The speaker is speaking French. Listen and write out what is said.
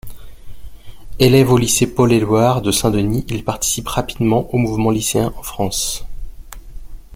Élève au lycée Paul-Éluard de Saint-Denis, il participe rapidement au mouvement lycéen en France.